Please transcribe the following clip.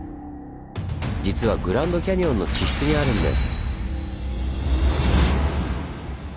実はグランドキャニオンの地質にあるんです。